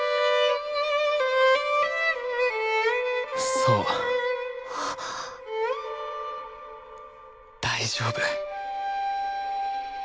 そう大丈夫。